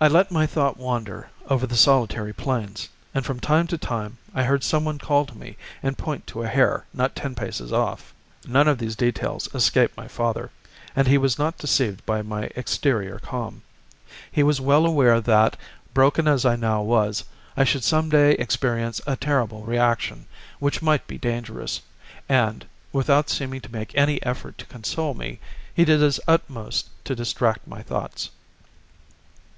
I let my thought wander over the solitary plains, and from time to time I heard someone call to me and point to a hare not ten paces off. None of these details escaped my father, and he was not deceived by my exterior calm. He was well aware that, broken as I now was, I should some day experience a terrible reaction, which might be dangerous, and, without seeming to make any effort to console me, he did his utmost to distract my thoughts.